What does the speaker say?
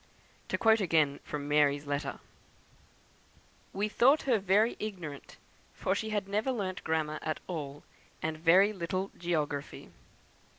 To quote again from "Mary's" letter: "We thought her very ignorant, for she had never learnt grammar at all, and very little geography."